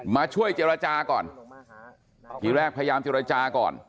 มาช่วยเจรจาก่อนทีแรกพยายามเจรจาก่อน